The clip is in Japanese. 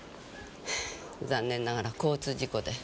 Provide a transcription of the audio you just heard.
残念ながら交通事故で。